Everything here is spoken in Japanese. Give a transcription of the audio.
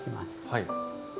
はい。